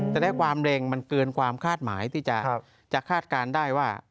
แต่ได้ความเร็งมันเกินความคาดหมายที่จะคาดการณ์ได้ว่า